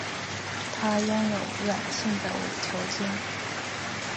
它拥有卵形的伪球茎。